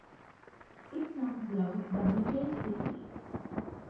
It sounds loud, but decays quickly.